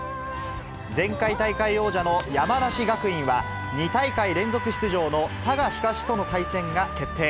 前回大会王者の山梨学院は、２大会連続出場の佐賀東との対戦が決定。